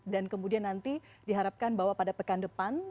dan kemudian nanti diharapkan pada pekan depan